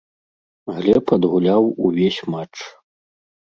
Глеб адгуляў увесь матч.